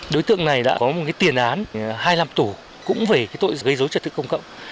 đối tượng này đã có một tiền án hai mươi năm tủ cũng về tội gây dối trật tức công cộng